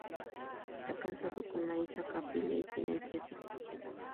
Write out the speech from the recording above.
Está casado con Marisa Caprile y tienen tres hijos.